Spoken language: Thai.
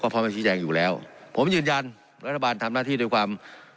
พร้อมจะชี้แจงอยู่แล้วผมยืนยันรัฐบาลทำหน้าที่ด้วยความ